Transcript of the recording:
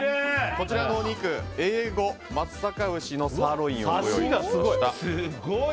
こちらのお肉Ａ５松阪牛のサーロインをサシがすごい！